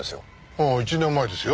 ああ１年前ですよ。